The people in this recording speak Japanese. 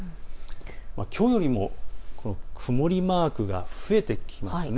きょうよりも曇りマークが増えてきますね。